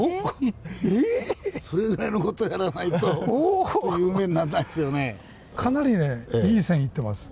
それぐらいの事をやらないと有名にならないですよね。